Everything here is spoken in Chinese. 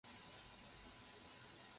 喜欢的艺人是奥华子。